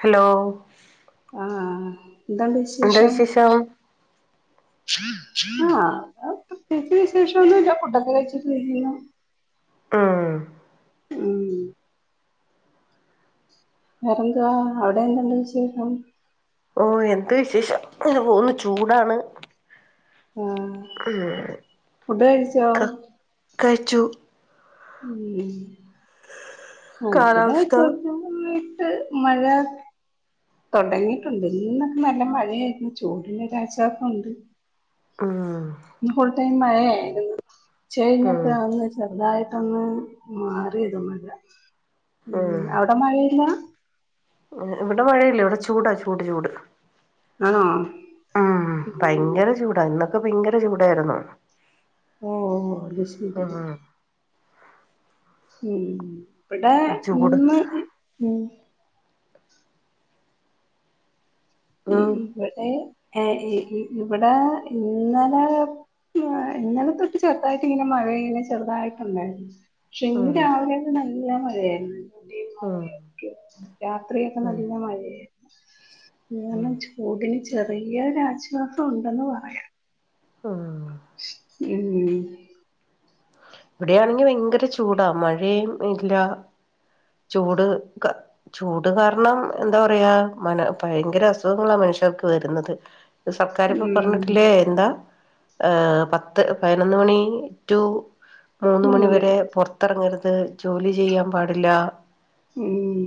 Hello ആഹ് എന്താണ്ട് വിശേഷം - ആ പ്രത്യേകിച്ച് വിശേഷം ഒന്നുല്ല. ഫുഡ്‌ ഒക്കെ കഴിച്ചിട്ട് ഇങ്ങനെ ഇരിക്കുന്നു മ്മ് മ്മ് വേറെന്തുവാ അവിടെന്തുണ്ട് വിശേഷം? ഓ എന്ത് വിശേഷം. ഇങ്ങനെ പോകുന്നു. ചൂടാണ്. ഉം ഫുഡ്‌ കഴിച്ചോ കയ്ച്ചു ഊമ് ആഹ്‌ ഇവടെ കാലാവസ്ഥ ചെറുതായി ട്ട് മഴ തുടങ്ങിയിട്ടുണ്ട്. ഇന്നൊക്കെ നല്ല മഴയായിരുന്നു. ചൂടിന് ഒരാശ്വാസം ഉണ്ട്. ആഹ് ഇന്ന് മഴയായിരുന്നു. ഉച്ചകഴിഞ്ഞപ്പഴാ ഒന്ന് ചെറുതായി ട്ടൊന്ന് മാറിയത് മഴ. ഉം അവിടെ മഴയില്ല? ഏ ഇവിടെ മഴയില്ല. ഇവിടെ ചൂടാ ചൂട് ചൂട് ആണോ ഉം ഉം ഭയങ്കര ചൂടാ ഇന്ന്. ഇപ്പൊ ഭയങ്കര ചൂടായിരുന്നു. ഓ അതുശെരി. ഉം ഉം. ഇവിടെ ചൂട് ഇന്ന് ഉം ഈ ഉം ഇവിടെ ഏ ഇ ഇവിടെ ഇന്നലെ ഇന്നലെ തൊട്ട് ചെറുതായിട്ട് ഇങ്ങനെ മഴ ഇങ്ങനെ ചെറുതായിട്ടുണ്ടായിരുന്നു. പക്ഷെ ഇന്ന് ഉം രാവിലെയൊക്കെ നൽ ല്ല മഴയാര്ന്ന്. ഉം [unintelligible] രാത്രിയൊക്കെ ഉം നല്ല മഴേ ഉം [unintelligible] ചൂടിന് ചെ ചെറിയൊരാശ്വാസം ഉണ്ടെന്ന് പറയാം. ഉം ഉം ഇവിടെയാണെങ്കി ഭയങ്കര ചൂടാ മഴയും ഇല്ല ചൂട് ക ചൂട് കാരണം എന്താ പറയാ മന ഭയങ്കര അസുഖങ്ങളാ മനുഷ്യർക്ക് വരുന്നത്. സർക്കാര് ഇപ്പോ ഉം പറഞ്ഞിട്ടില്ലേ എന്താ? ഏഹ് പത്ത് പയിനൊന്ന് മണി ടു മൂന്ന് മണിവരെ പൊറത്തറങ്ങര് ത് ജോലി ചെയ്യാൻ പാടില്ല ഉം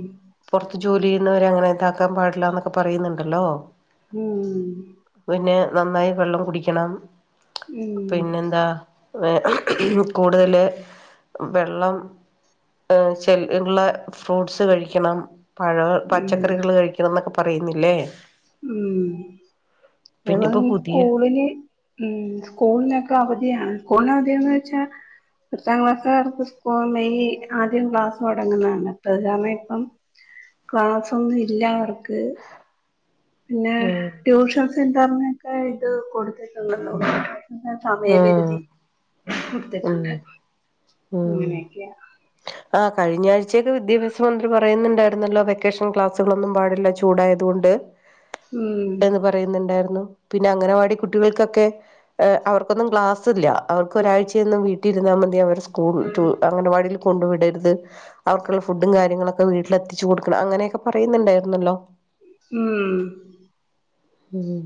പുറത്ത് ജോലി ഇന്നുവരെ അങ്ങനെ താക്കാൻ പാടില്ലാന്നൊക്കെ പറയുന്നുണ്ടല്ലോ പിന്നെ മ്മ് നന്നായി വെള്ളം കുടിക്കണം ഉം പിന്നെന്താ വേ കൂടുതല് വെള്ളം ഹ് ചെല്ലുന്ന ഫ്രൂട്ട്സ് കഴിക്കണം പഴ ഉം പച്ചക്കറികള് കഴിക്കണം ന്നൊക്കെ പറയുന്നില്ലേ ഉം അത് പോലെ പിന്നെപ്പോ പുതിയ സ്കൂളില് ഉം സ്കൂളിനൊക്കെ അവധിയാണ് സ്കൂളിനവധിയാ ന്ന് വെച്ചാ പത്താം ക്ലാസ്സ്കാർക്ക് സ്കൂൾ മെയ് ആദ്യം ക്ലാസ് തൊടങ്ങുന്നതാണ് പ്രധാമ ഇപ്പം ക്ലാസ്സ്‌ ഒന്നുഇല്ല അവർക്ക് പിന്നെ ഉം ട്യൂഷൻ സെന്ററിന് കഴ്‌ തു കൊടുത്തക്കങ്ങ നോ [unintelligible] ന്ന ഉം സമയപരിധി ഉം കൊടുത്തിട്ടുണ്ട് ഉം ങ്ങനെയൊക്കെയ ആ കഴിഞ്ഞ ആഴ്ചയൊക്കെ വിദ്യാഭ്യാസ മന്ത്രി പറയുന്നുണ്ടായിരുന്നല്ലോ വെക്കേഷൻ ക്ലാസ്സുകളൊന്നും പാടില്ല ചൂടായതുകൊണ്ട് ഉം എന്ന് പറയുന്നുണ്ടായിരുന്നു. പിന്നെ അംഗനവാടി കുട്ടികൾക്കൊക്കെ അവർക്കൊന്നും ക്ലാസ്ല് ഇല്ല അവർക്ക് ഒരാഴ്ചയൊന്നും വീട്ടിലിരുന്നാൽ മതി അവർ സ്കൂൾ അംഗനവാടി കൊണ്ട് വിടരുത് അവർക്കുള്ള ഫുഡും കാര്യങ്ങളൊക്കെ വീട്ടില് എത്തിച്ചു കൊടുക്കണം അങ്ങനെയൊക്കെ പറയുന്നുണ്ടായിരുന്നല്ലോ. ഉം ഉം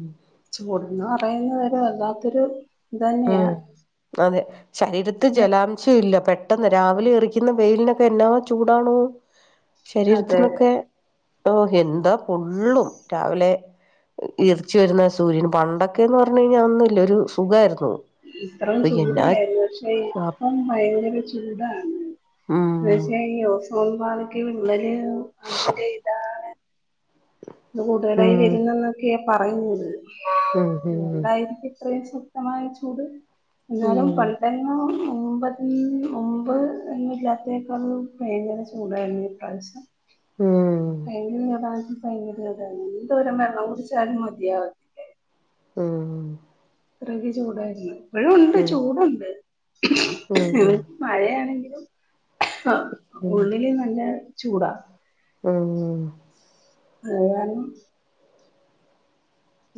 ചൂടുന്നു പറയുന്നവര് വല്ലാത്തൊരു തന്നെയാ ഉം അതെ ശരീരത്ത് ജലാംശം ഇല്ല പെ പെട്ടെന്ന് രാവിലെ എറിക്കുന്ന വെയിലിനൊക്കെ എന്നാ ചൂടാണോ അതെ അതെ ശരീരത്തിന്നൊക്കെ ഓ എന്താ പൊള്ളും രാവിലെ ഇറച്ചു വരുന്ന സൂര്യന് പണ്ടൊക്കെന്ന് പറഞ്ഞ കഴിഞ്ഞാൽ ഒന്നുംല്ല ഒരു സുഖമായിരുന്നു ഇത്രം ചൂടല്ലായിരുന്നു പക്ഷെ ഇപ്പം ഭയങ്കര ചൂടാണ് ഉം തീർച്ചയായും ഈ ഓസോൺ പാളി [unintelligible] അതും ചെയ്താ അത് കൂടുതലായി ഉം വരുന്ന ന്നൊക്കെ പറയുന്നത് ഉം ഉം എന്തായിരിക്കും അത്രയും ശക്തമായ ചൂട് എന്നാലും പണ്ടെങ്ങോ മുമ്പ് മുമ്പോന്നു ഇല്ലാത്തെക്കാളും പയങ്കര ചൂടായിരുന്നു ഈ പ്രാവശ്യം. ഉം റൈഞ്ചില്ലടാ ഭയങ്കര ചൂടാണ് എന്തോരം വെള്ളം കുടിച്ചാലും മതിയാവത്തില്ല. ഉം. അത്രക്ക് ചൂടായിരുന്നു. ഇപ്പോഴുണ്ട് ഉം ചൂടുണ്ട് ഉം നമുക്ക് മഴയാണെങ്കി [inaudible] ആ ഉം ഉള്ളില് നല്ല ചൂട ഉം അത് കാരണം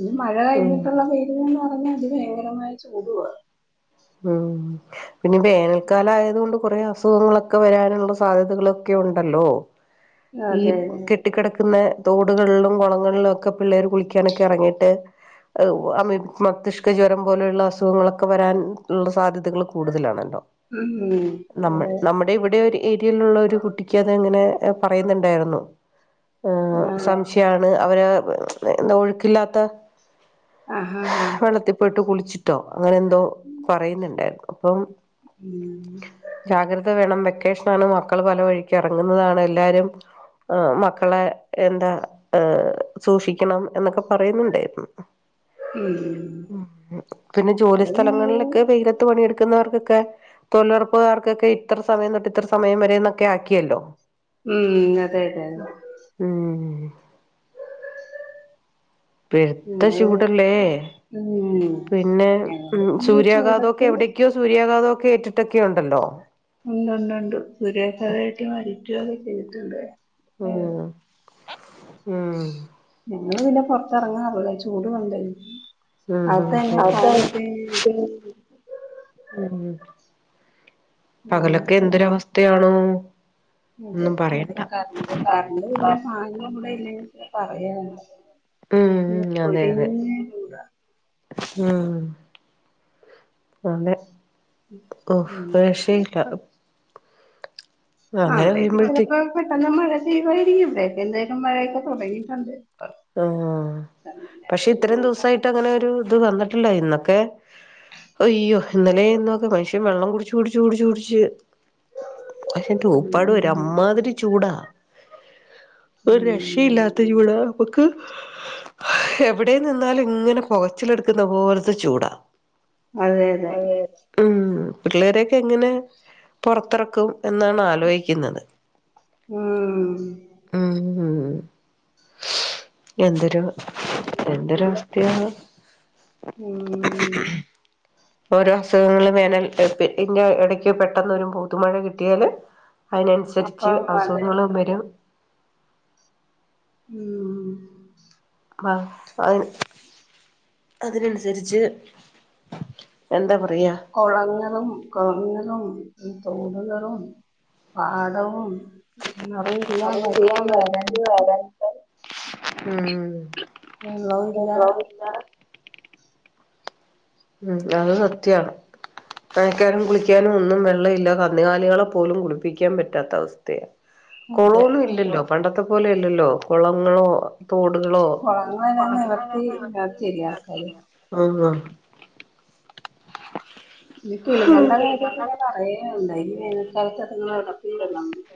ഇനി മഴ ഉം കഴിഞ്ഞിട്ടുള്ള വെ അത് ഭയങ്കരമായ ചൂടുവാ. ഉം പിന്നെ വേനൽക്കാലയത് കൊണ്ട് കൊറേ അസുഖങ്ങളൊക്കെ വരാനുള്ള സാധ്യതകളൊക്കെ ഉണ്ടല്ലോ. ഈ അതെ കെട്ടിക്കിടക്കുന്നെ തോടുകളിലും കുളങ്ങളിലൊക്കെ പിള്ളേര് കുളിക്കാനൊക്കെ ഇറങ്ങിയിട്ട് അ മതിഷ്കജ്വരം പോലെയുള്ള അസുഖങ്ങളൊക്കെ വരാൻ ഉള്ള സാധ്യതകൾ കൂടുതലാണല്ലോ ഉം നമ്മ അതെ നമ്മുടെ ഇവിടെ ഒരു ഏരിയയിലുള്ള ഒരു കുട്ടിക്ക് അതെങ്ങനെ പറയുന്നുണ്ടായിരുന്നു ഏഹ് അതെ സംശയാണ് അവരെ എന്താ ഒഴുക്കില്ലാത്ത ആഹ് ഹ ആഹ് ആഹ് വെള്ളത്തി പോയിട്ട് കുളിച്ച് ട്ടോ അങ്ങനെന്തോ പറയുന്നുണ്ടായിരുന്നു അപ്പം ഉം ജാഗ്രത വേണം വെക്ക ക്കേഷനാണ് മക്കള് പല വഴിക്കെറങ്ങുന്നതാണ് എല്ലാരും മക്കളെ എന്താ സൂക്ഷിക്കണം എന്നൊക്കെ പറയുന്നുണ്ടേര്ന്നു ഉം പിന്നെ ജോലി ഇവിടെ ഞങ്ങള് സ്ഥലങ്ങളിലൊക്കെ വെയിലത്ത് പണിയെടുക്കുന്നവർക്കൊക്കെ തൊഴിലുറപ്പുകാർക്കൊക്കെ ഇത്ര സമയം തൊട്ട് ഇത്ര സമയം വരേന്നൊക്കെ ആക്കിയല്ലോ ഉം അതെ അതെ അതെ ഉം പെര്ത്ത ഞങ്ങള് ചൂടല്ലേ ഉം പിന്നെ ഞങ്ങള് ഉം പിന്നെ സൂര്യാഘാതൊക്കെ എവിടക്കോ സൂര്യാഘാതൊക്കെ കേട്ട് ഉണ്ട്ണ്ട്ണ്ട് സുര്യാഖാത മേറ്റ മാരി [unintelligible] ചെയ്തിട്ടുണ്ട് ഉം ഏഹ് ഉം ങ്ങള് പിന്നെ പുറത്തിറങ്ങാറില്ല ചൂട് കൊണ്ട് ഉം അ ഉ അങ്ങനെ പകലൊക്കെ എന്തൊരവസ്ഥയാണോ ഉം അതെ കറണ്ട് കരണ്ടുവില്ല ഫാനും കൂടെ ഇല്ലെങ്കി പറ [unintelligible] ഉം അതെ അതെ പൊരിഞ്ഞ ചൂടാ ഉം അതെ ഓ ഉം ഒര് രക്ഷയും ഇല്ലാ അവിടേക്കെ ചിലപ്പോ പെട്ടെന്ന് മഴ [unintelligible] ഇവിടെയൊക്കെ എന്തായാലും മഴയൊക്കെ തുടങ്ങിയിട്ടുണ്ട് ആ പക്ഷെ ഇത്രയും ദിവസായിട്ട് അങ്ങനെ ഒരു അത് വന്നിട്ടില്ല യിന്നുഒക്കെ അയ്യോ ഇന്നലേം ഇന്നൊക്കെ മനുഷ്യൻ വെള്ളം കുടിച്ച് കുടിച്ച് കുടിച്ച് കുടിച്ച് മനുഷ്യന്റെ ഉപ്പാട് ഉം വരും അമ്മാതിരി ചൂടാ ഒരു ഉം രക്ഷയില്ലാത്ത ചൂടാ എനക്ക് എവിടെ നിന്നാലും ഇങ്ങനെ പുകച്ചിലെടുക്കുന്ന പോലത്തെ ചൂടാ അതെ ഉം പിള്ളേരെയൊക്കെ എങ്ങനെ പുറത്തിറക്കും എന്നാണ് ആലോചിക്കുന്നത് ഉം ഉം ഉം [unintelligible] എന്തൊരു എന്തൊരുവസ്ഥയാണ് ഉം ഓരോ അസുഖങ്ങളും വേനൽ ഇ ഇടക്ക് പെട്ടെന്ന് ഒരു പൂതുമഴ കിട്ടിയാല് അപ്പൊ അതിനനുസരിച്ച് അതെ അസുഖങ്ങളും വരും [inaudible] ആ അ അതിനനുസരിച്ച് എന്താ പറയാ കൊളങ്ങളും കൊളങ്ങളും തോട്കളും, പാടവും. കിണറും ഇല്ല നദികളെല്ലാം വറ്റി വറ്റി വരണ്ട് വരണ്ട് ഇം വെള്ളവും ഇല്ല [inaudible] ഉം അത് സത്യാണ് നനയ്ക്കാനും കുളിക്കാനും ഒന്നും വെള്ളവില്ല കന്നുകാലികളെ പോലും കുളിപ്പിക്കാൻ പറ്റാത്ത അവസ്ഥയാ അതെ കൊളോന്നും ഇല്ലല്ലോ പണ്ടത്തെ പോലെയല്ലല്ലോ കുളങ്ങളോ തോടുകളോ കുളങ്ങളെല്ലാം നികത്തി നികത്തിയില്ലേ ആൾക്കാര് ഉം ഈ കിളികള്ടെ കാര്യം പിന്നെ പറയേവേണ്ട.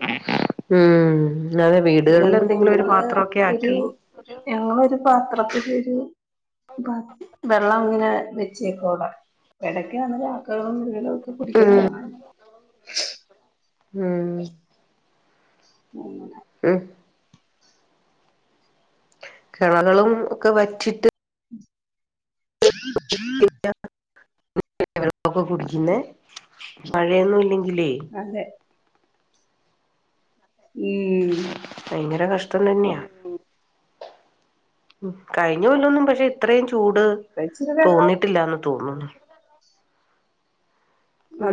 [unintelligible] ഉം അതെ വീടുകളിൽ അതോണ്ട് എന്തെങ്കിലും ഒരു ഞങ്ങള് പാത്രമൊക്കെ ഒരു ആക്കി ഞങ്ങളൊരു പാത്രത്തിലിരുന്ന് ബ വെള്ളം അങ്ങനെ വെച്ചേക്കു അവിട. എടയ്ക്ക് വന്നതാ [unintelligible] [unintelligible] കുടിക്കണ ഉം കാണാം ഉം [unintelligible] ഇം കെളകളും ഒക്ക വറ്റീട്ട് [unintelligible] കുടിക്ക്ന്നെ മഴയൊന്നും ഇല്ല ഇല്ലെ അതെ ഉം ത്തം തന്നെയാ ഉം കഴിഞ്ഞ കൊല്ലോന്നും പക്ഷെ ഇത്രേം ചൂ ചൂട് ഇപ്പ ഇച്ചിരി വെള്ളം തോന്നിട്ടില്ലാന്ന് തോന്നുന്നു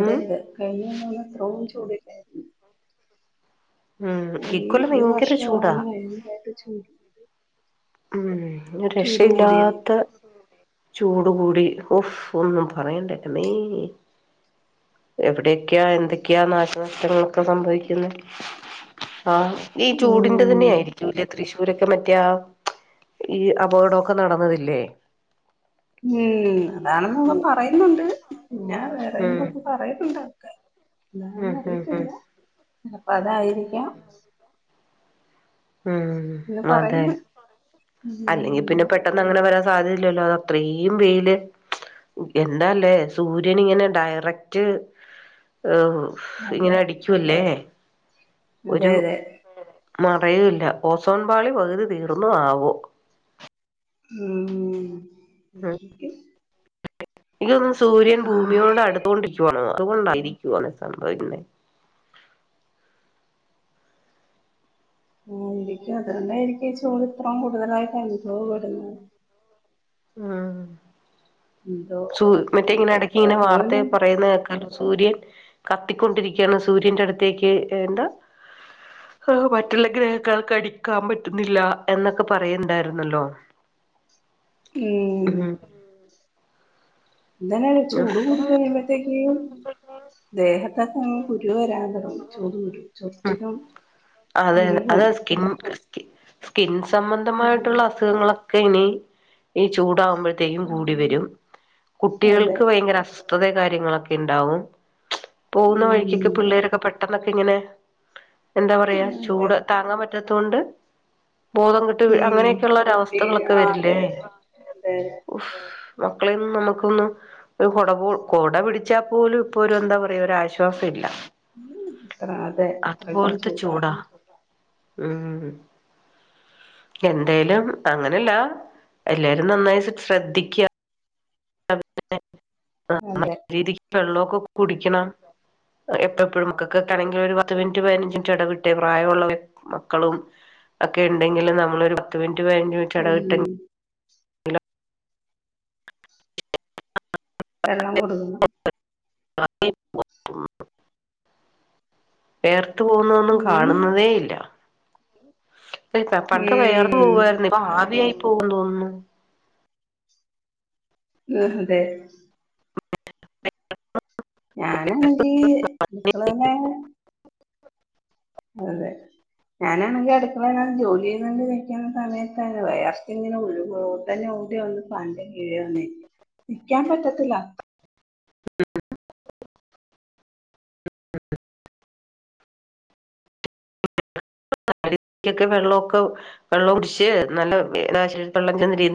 ഉം കഴിഞ്ഞ കൊല്ലോന്നും ഇത്രോ ചൂട് ഉം അയ് ഇക്കൊല്ലം ഈ ഭയങ്കര ചൂടാ വർഷവാണ് വല്തായിട്ട് ചൂട് കൂടിയെ ഉം മ് കൂടിയത് രക്ഷയില്ലാത്ത ചൂട് കൂടി ഉഫ് ഒന്നും പറയണ്ട എൻ്റെമ്മേ എവിടെക്കെയാ എന്തക്കെയാ നാശനഷ്ടങ്ങളൊക്കെ സംഭവിക്കുന്നെ ആ ഈ ചൂടിന്റെ തന്നെ ഉം ആയിരിക്കൂല്ലെ തൃശ് ഇവരൊക്കെ മറ്റയാ ഈ അപകൊടോക്ക നടന്നതില്ലേ ഉം എന്താണന്ന് ന്‌മ്മ പറയുന്നുണ്ട്. പിന്നെ ഉം വേറെയുംമ്പൊക്കെ പറയട്ടുണ്ട് ക്കെ ഉം ഇതാണന്ന് ഉം ഉം അറിയത്തില്ല. അപ്പ അതായി ഫ്രീയാ ഉം അതെ. പറയുന്നു അല്ലെങ്കിൽ ഉം പിന്നെ പെട്ടന്നങ്ങനെ വരാ സാധ്യതയില്ലല്ലോ. അതത്രീം വെയില് എന്താല്ലേ സൂര്യൻ ഇങ്ങനെ ഡയറക്റ്റ് ഏഹ് ഇങ്ങനെ അടിയ്ക്കുവല്ലേ അതെയതെ മറയൂല്ല. ഓസോൻപാളി പകുതി തീർന്നോ ആവോ. ഊമ്മ് [unintelligible] ഇ സൂര്യൻ ഭൂമിയോട് അടുത്തോണ്ടരിക്കുന്നതാ അതുകൊണ്ടായിരിക്കുവാണേ സംഭവിക്കുന്നതെ- ആയിരിക്കും അതാണ്ടായിരിക്കും ചൂട് ഇത്രേം കൂടുതലായിട്ട് അനുഭവപ്പെടുന്നത് ഊം എന്തോ സൂ മറ്റേ ഇങ്ങനെ ഇടയ്ക്കിങ്ങനെ വാർത്തേ പോലും പറയുന്ന കേക്കാല്ലോ സൂര്യൻ കത്തിക്കൊണ്ടിരിക്കയാണ് സൂര്യന്റെ അടുത്തേക്ക് എന്താ ങ്ഹാ മറ്റുള്ള ഗ്രഹക്കാർക്ക് അടിക്കാൻ പറ്റുന്നില്ല എന്നൊക്കെ പറയുന്നുണ്ടായിരുന്നല്ലോ ഈ ഊം എന്തന്നെയ ഉം ചൂട് കൂടി കഴിയുമ്പത്തേക്ക് ദേഹത്തൊക്കെ കുരുവ് വരാൻ പടും ചൂട് കുരു ചൊറച്ചിനും അതെ കുരുവും അതെ സ്കിൻ സ്കിൻ ഉം സംബന്ധമായിട്ടുള്ള അസുഖങ്ങളൊ- ഒക്കെ ഇനി ഈ ചൂടാവൂമ്പോഴ ത്തെയും കൂടി വരും കു അതെ കുട്ടികൾക്ക് ഭയങ്കര അസ്- വതെ കാര്യങ്ങളൊക്കെ ഉണ്ടാവും പോകുന്ന വഴിക്കൊക്കെ ഉം പിള്ളേരൊക്കെ പെട് പെട്ടെന്നൊക്കെ ഇങ്ങനെ- എന്താ പറയാ അതെ ചൂട് താങ്ങാൻ പ ന്നത്തോണ്ട് ബോധം കെട്ട് വീഴ് ഉം അങ്ങനെയൊക്കെയുള്ള ഒരവസ്ഥകളൊക്കെ ആ വരില്ലേ അതെ അതെ അതെ അതെ ഉഹ്‌ മക്കളെയൊന്നും നമുക്കൊന്നും ഒരു കൊട പോ കൊട പിടിച്ചാ പോലും ഇപ്പൊ ഒരു എന്താ പറയാ ഒരു ആശ്വാസം ഇല്ല ഉ ത്ര അതെ ത്രക്കും ചൂടാ ഉം എന്തേലും അങ്ങനല്ല എല്ലാരും നന്നായി ശ് ശ്രദ്ധിക്ക്യ [unintelligible] ആ അതെ രീതി വെള്ളോക്കെ കുടിക്കണം എ എപ്പ പ്പഴും മക്കക്കൊക്കെണെങ്കി ഒരു പത്ത് മിൻറ്റ് പയിനഞ്ച് ൻറ്റ് എടവിട്ടെ പ്രായമുള്ള മക്കളും ഒക്കെ ഉണ്ടെങ്കിലും നമ്മളൊരു പത്ത് മിനി റ്റ് പയിനഞ്ചു മിനിറ്റെടവിട്ടെ ഉം വെള്ളം കൊടുക്കണം [unintelligible] പേർ ത്ത് പോവുന്നോന്നും ഉം കാണുന്നതേ ഇല്ല [unintelligible] പണ്ട് വയറു ഉം പോവായിരുന്ന് ഇപ്പൊ ആവി യായിട്ട് പോവാൻ തോന്ന്ന്ന് ഉം ഹ് അതെ [inaudible] ഞാനാണെങ്കി അടുക്കള തന്നേ അതെ ഞാനാണെങ്കി അടുക്കള ഏങ്ങാ ണം ജോലി ചെയ്ത് കൊണ്ട് നിക്കുന്ന സമയത്തങ്ങു വേയർത്തിങ്ങനെ ഒഴുകും ഒടനെ ഓടി വന്ന് പാന്റെ കീഴെ വന്ന് നിക്ക് നിക്കാൻ പറ്റത്തില്ല- [unintelligible] വെള്ളൊക്കെ വെള്ളം കുടിച്ച് നല്ല [unintelligible]